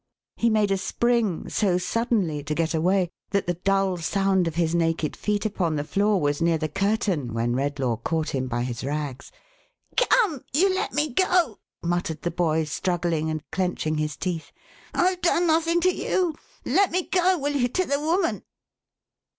He made a spring, so suddenly, to get away, that the dull sound of his naked feet upon the floor was near the curtain, when Redlaw caught him by his rags. "Come! you let me go!* muttered the boy, .struggling, and clenching his teeth. " I've done nothing to you. Let me go, will you, to the woman